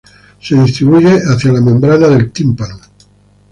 Se distribuye hacia la membrana del tímpano.